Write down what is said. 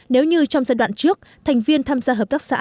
nếu như trong giai đoạn trước thành viên tham gia hợp tác xã